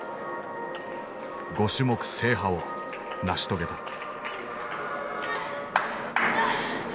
５種目制覇を成し遂げた。